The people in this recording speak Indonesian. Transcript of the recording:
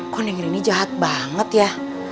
kok neng rini jahat banget ya